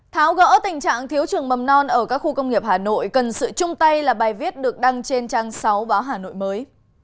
tháo gỡ tình trạng thiếu trường mầm non ở các khu công nghiệp hà nội cần sự chung tay là bài viết được đăng trên trang sáu báo hà nội mới